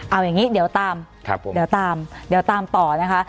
เอาอย่างนี้เดี๋ยวตามต่อนะคะ